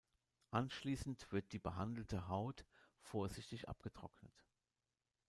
Anschließend wird die behandelte Haut vorsichtig abgetrocknet.